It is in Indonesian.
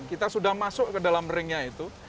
kita sudah masuk ke dalam ringnya itu